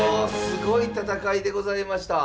すごい戦いでございました。